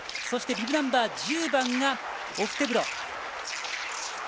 そしてビブナンバー１０番がオフテブロ。